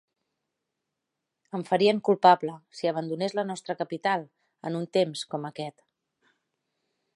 Em farien culpable si abandonés la nostra capital en un temps com aquest.